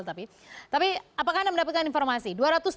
tapi apakah anda mendapatkan informasi